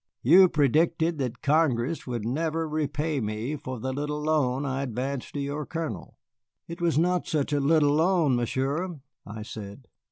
"You predicted that Congress would never repay me for the little loan I advanced to your Colonel." "It was not such a little loan, Monsieur," I said.